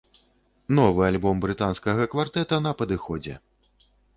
Новы альбом брытанскага квартэта на падыходзе!